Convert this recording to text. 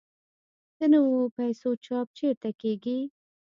د نویو پیسو چاپ چیرته کیږي؟